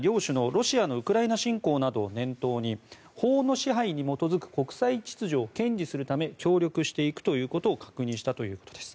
ロシアのウクライナ侵攻などを念頭に法の支配に基づく国際秩序を堅持するため協力していくということを確認したということです。